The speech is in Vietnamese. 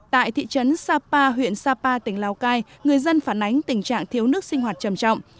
tại thị trấn sapa huyện sapa tỉnh lào cai người dân phản ánh tình trạng thiếu nước sinh hoạt trầm trọng